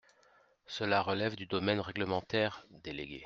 Cela relève du domaine réglementaire, délégué.